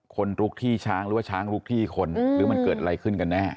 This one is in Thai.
ลุกที่ช้างหรือว่าช้างลุกที่คนหรือมันเกิดอะไรขึ้นกันแน่